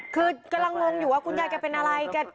คือกำลังงงอยู่ว่าคุณยายแกเป็นอะไร